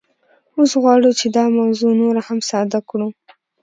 اوس غواړو چې دا موضوع نوره هم ساده کړو